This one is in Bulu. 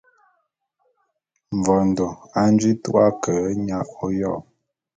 Mvondô a nji tu’a ke nya oyô.